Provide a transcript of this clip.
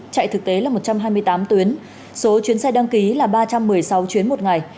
chạy thực tế là một trăm hai mươi tám tuyến số chuyến xe đăng ký là ba trăm một mươi sáu chuyến một ngày